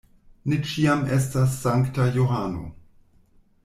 Ne ĉiam estas sankta Johano.